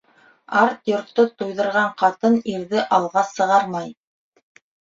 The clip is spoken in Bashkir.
Арт йортто туйҙырған ҡатын ирҙе алға сығармай.